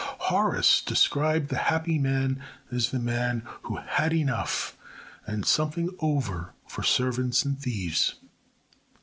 Horace described the happy man as the man who had enough and something over for servants and thieves.